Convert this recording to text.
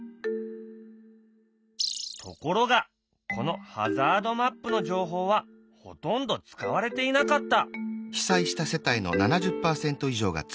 ところがこのハザードマップの情報はほとんど使われていなかった。